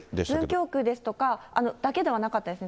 文京区ですとか、だけではなかったですね。